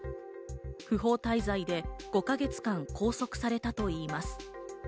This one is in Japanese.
不法滞在で５か月間、拘束されたといいます。